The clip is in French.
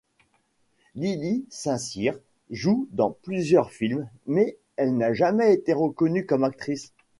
Lili St-Cyr joue dans plusieurs films mais elle n'a jamais été reconnue comme actrice.